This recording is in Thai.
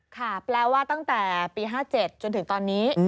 ค่ะแปลว่าตั้งแต่ปี๕๗จนถึงตอนนี้